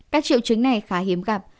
các triệu chứng này khá hiếm gặp